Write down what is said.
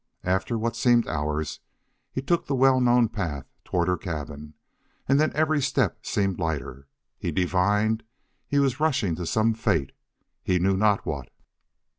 After what seemed hours he took the well known path toward her cabin, and then every step seemed lighter. He divined he was rushing to some fate he knew not what.